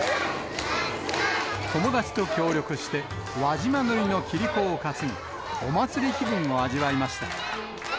友達と協力して、輪島塗のキリコを担ぎ、お祭り気分を味わいました。